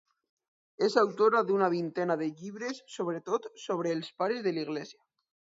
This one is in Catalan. És autora d'una vintena de llibres, sobretot sobre els Pares de l'Església.